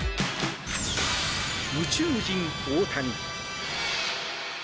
宇宙人・大谷。